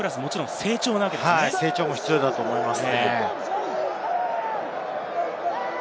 成長も必要だと思います。